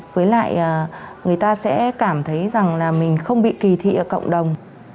với lại người ta sẽ cảm thấy rằng là mình không bị kỳ thị ở cộng đồng